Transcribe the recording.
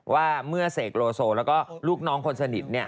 ว่าเมื่อเสกโลโซแล้วก็ลูกน้องคนสนิท